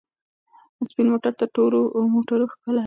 سپین موټر تر تورو موټرو ښکلی دی.